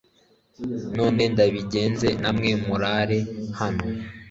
none ndabinginze namwe murare hano